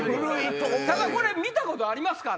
これ見たことありますか？